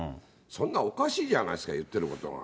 そんなのおかしいじゃないですか、言ってることが。